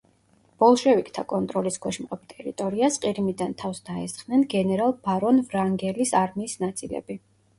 ბოლშევიკთა კონტროლის ქვეშ მყოფ ტერიტორიას ყირიმიდან თავს დაესხნენ გენერალ ბარონ ვრანგელის არმიის ნაწილები.